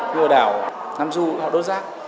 như ở đảo nam du họ đốt giác